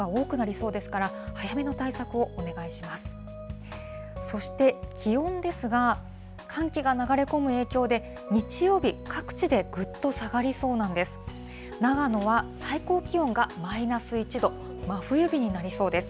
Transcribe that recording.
そして、気温ですが、寒気が流れ込む影響で、日曜日、各地でぐっと下がりそうなんです。